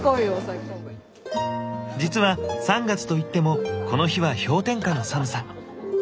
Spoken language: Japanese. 実は３月といってもこの日は氷点下の寒さ。